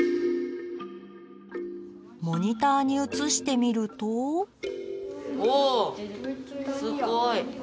モニターに映してみるとおおすごい！